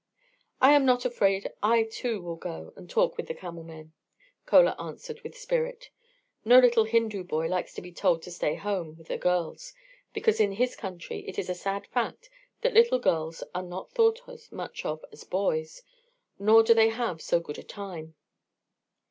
"I am not afraid, I, too, will go and talk with the camel men," Chola answered with spirit. No little Hindu boy likes to be told to stay at home with the girls, because in his country it is a sad fact that little girls are not thought as much of as boys, nor do they have so good a time.